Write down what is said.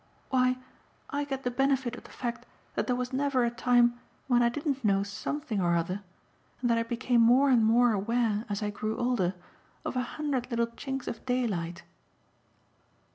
"Why I get the benefit of the fact that there was never a time when I didn't know SOMETHING or other, and that I became more and more aware, as I grew older, of a hundred little chinks of daylight."